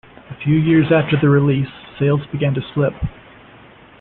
A few years after the release, sales began to slip.